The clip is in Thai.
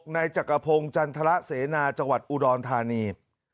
นายจักรพงศ์จันทรเสนาจังหวัดอุดรธานี